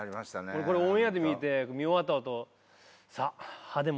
俺これオンエアで見て見終わった後「さぁ」。